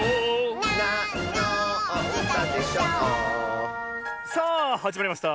「なんのうたでしょ」さあはじまりました